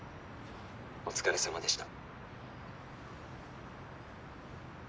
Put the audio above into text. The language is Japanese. お疲れさまでした。